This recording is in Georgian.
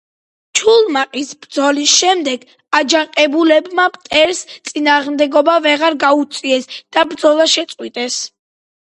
ჩუმლაყის ბრძოლის შემდეგ აჯანყებულებმა მტერს წინააღმდეგობა ვეღარ გაუწიეს და ბრძოლა შეწყვიტეს.